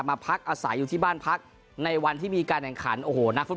มาพักอาศัยอยู่ที่บ้านพักในวันที่มีการแข่งขันโอ้โหนักฟุต